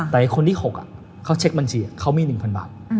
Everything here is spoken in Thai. แต่คนที่๖เขาเช็คบัญชีเขามี๑๐๐บาท